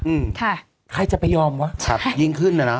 อืมครับใครจะไปยอมวะใช่ยิ่งขึ้นแล้วน่ะ